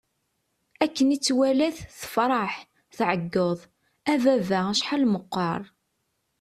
Akken i tt-walat, tefṛeḥ, tɛeggeḍ: A baba! Acḥal meqqeṛ!